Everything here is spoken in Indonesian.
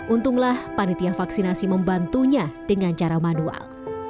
untunglah panitia vaksinasi membantunya dengan cara manual